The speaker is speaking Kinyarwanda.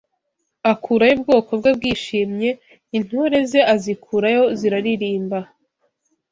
Akurayo ubwoko bwe bwishimye, intore ze azikurayo ziraririmba